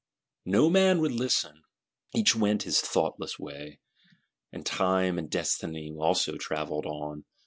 _" No man would listen, each went his thoughtless way;—and Time and Destiny also travelled on.